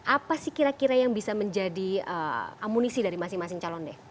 apa sih kira kira yang bisa menjadi amunisi dari masing masing calon deh